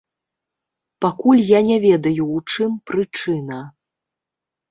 Пакуль я не ведаю ў чым прычына.